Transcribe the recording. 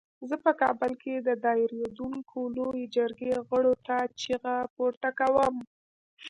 زه په کابل کې د دایریدونکې لویې جرګې غړو ته چیغه پورته کوم.